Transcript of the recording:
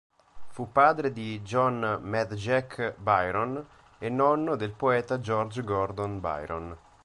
Fu padre di John "Mad Jack" Byron e nonno del poeta George Gordon Byron.